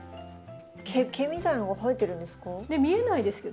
毛みたいのが生えてるんですか？